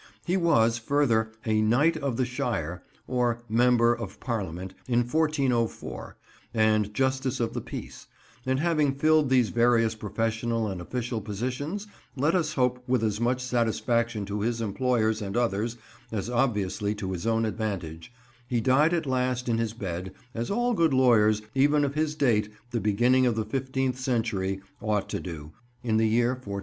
He was, further, a "Knight of the Shire," or member of Parliament, in 1404, and Justice of the Peace; and having filled these various professional and official positions, let us hope with as much satisfaction to his employers and others as obviously to his own advantage, he died at last in his bed, as all good lawyers, even of his date, the beginning of the fifteenth century, ought to do, in the year 1418.